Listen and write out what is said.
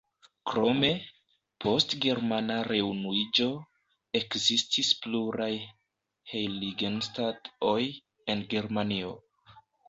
Krome, post germana reunuiĝo, ekzistis pluraj Heiligenstadt-oj en Germanio.